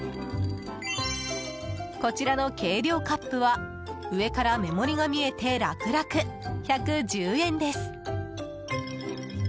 こちらの計量カップは上から目盛りが見えて楽々１１０円です。